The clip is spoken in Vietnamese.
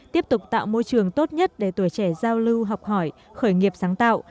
tiếp tục tạo môi trường tốt nhất để tuổi trẻ giao lưu học hỏi khởi nghiệp sáng tạo